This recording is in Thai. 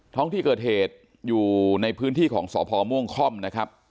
ท้องที่เกิดเหตุอยู่ในพื้นที่ของสพม่วงค่อมนะครับ